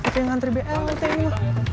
tengah antri bl tengah